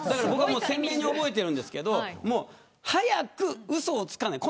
鮮明に覚えているんですけれど早く、うそつかない